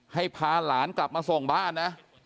ให้พาหลานกลับมาส่งบ้านนะ